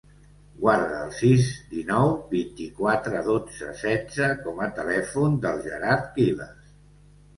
Guarda el sis, dinou, vint-i-quatre, dotze, setze com a telèfon del Gerard Quiles.